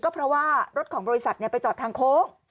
ก็เพราะว่ารถของบริษัทไปจอดทางโค้ง